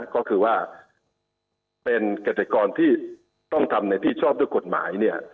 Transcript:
ก็คือว่าเป็นเกษตรกรที่ต้องทำในที่ชอบด้วยกฎหมาย